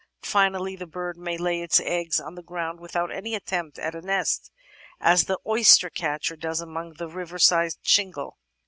Finally, the bird may lay its eggs on the ground without any attempt at a nest, as the Oyster Catcher 'does among the riverside shingle.